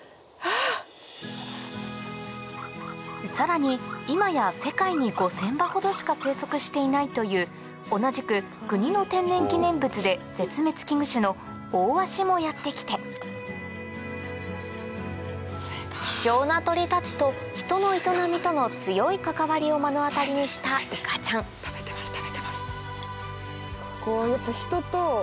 さらに今や世界に５０００羽ほどしか生息していないという同じく国の天然記念物で絶滅危惧種のオオワシもやってきて希少な鳥たちと人の営みとの強い関わりを目の当たりにしたいかちゃん食べてます食べてます。